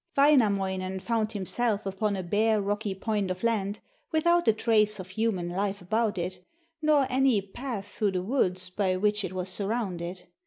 Wainamoinen found himself upon a bare, rocky point of land, without a trace of human life about it, nor any path through the woods by which it was surrounded.